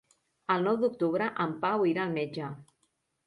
El nou d'octubre en Pau irà al metge.